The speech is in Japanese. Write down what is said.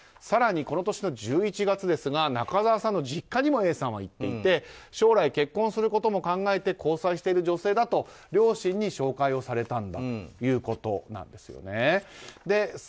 更にこの年の１１月ですが中澤さんの実家にもＡさんは行っていて将来結婚することも考えて交際している女性だと両親に紹介をされたんだということなんですよね。